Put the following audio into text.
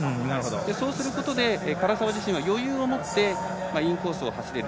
そうすることで唐澤自身は余裕をもってインコースを走れる。